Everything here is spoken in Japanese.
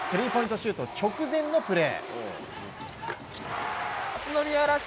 シュート直前のプレー。